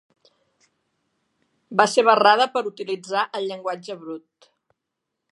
Va ser barrada per utilitzar el llenguatge brut.